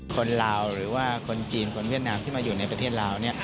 ลาวหรือว่าคนจีนคนเวียดนามที่มาอยู่ในประเทศลาว